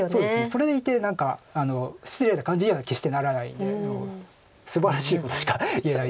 それでいて何か失礼な感じには決してならないんですばらしいことしか言えないです。